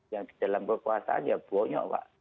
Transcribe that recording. yang di dalam kekuasaan ya bonyok pak